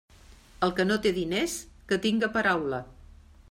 El que no té diners, que tinga paraula.